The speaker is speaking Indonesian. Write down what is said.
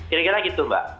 kira kira gitu mbak